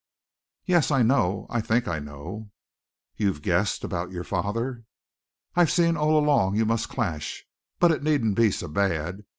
"Yes, I know I think I know." "You've guessed about your father?" "I've seen all along you must clash. But it needn't be so bad.